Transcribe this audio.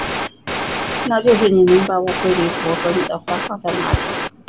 那就是你能把舞会礼服和你的花放在哪里？